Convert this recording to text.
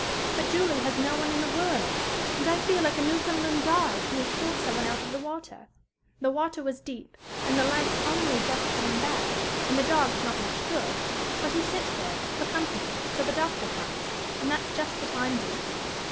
But Julie has no one in the world, and I feel like a Newfoundland dog who has pulled some one out of the water. The water was deep; and the life's only just coming back; and the dog's not much good. But he sits there, for company, till the doctor comes, and that's just what I'm doing.